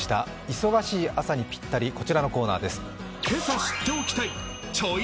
忙しい朝にぴったり、こちらのコーナーです。